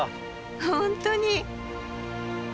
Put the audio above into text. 本当に！